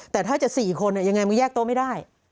แต่ถ้าจะ๔คนยังไงมึงแยกโต๊ะไม่ได้